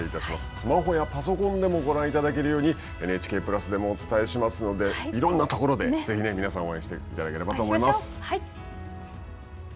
スマホやパソコンでもご覧いただけるように、ＮＨＫプラスでもお伝えしますので、いろんなところで、ぜひね、皆さん、応援していただければと思います。